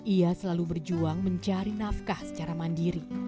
ia selalu berjuang mencari nafkah secara mandiri